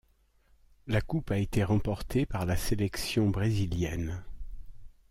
La Coupe a été remportée par la sélection brésilienne.